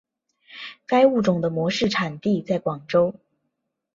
该物种的模式产地在广州。